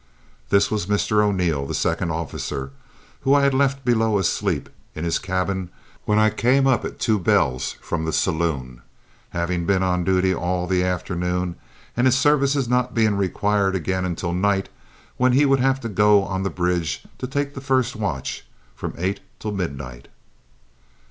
This was Mr O'Neil, the second officer, whom I had left below asleep in his cabin when I came up at two bells from the saloon, he having been on duty all the afternoon and his services not being required again until night, when he would have to go on the bridge to take the first watch from eight to midnight.